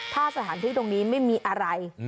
ถ้าสถานที่ตรงนี้ไม่มีอะไร